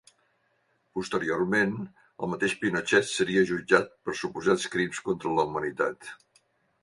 Posteriorment, el mateix Pinochet seria jutjat per suposats crims contra la humanitat.